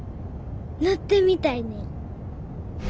乗ってみたいねん。